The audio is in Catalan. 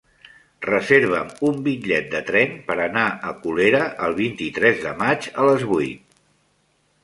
Reserva'm un bitllet de tren per anar a Colera el vint-i-tres de maig a les vuit.